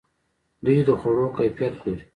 دوی د خوړو کیفیت ګوري.